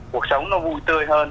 cuộc sống nó vui tươi hơn